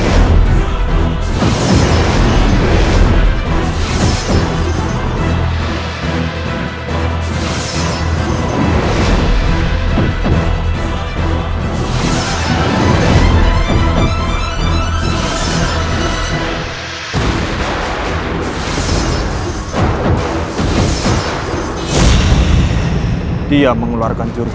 ada yang alexis